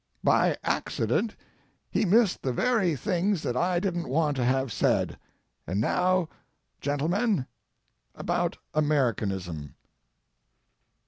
By accident he missed the very things that I didn't want to have said, and now, gentlemen, about Americanism.